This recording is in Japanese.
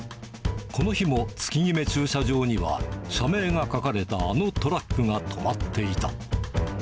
この日も月ぎめ駐車場には社名が書かれたあのトラックが止まっていた。